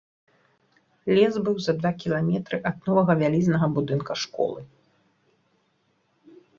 Лес быў за два кіламетры ад новага вялізнага будынка школы.